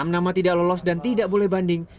enam nama tidak lolos dan tidak ucapkan